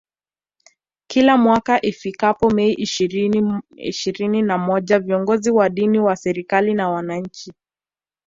Kila mwaka ifikapo Mei ishirinina moja viongozi wa dini wa serikali na wananchi